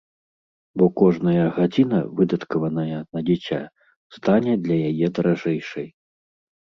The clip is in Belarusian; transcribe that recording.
Бо кожная гадзіна, выдаткаваная на дзіця, стане для яе даражэйшай.